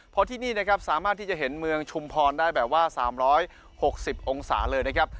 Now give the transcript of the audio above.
เพราะที่นี่นะครับสามารถที่จะเห็นเมืองชุมพรได้แบบว่า๓๖๐องศาเลยนะครับ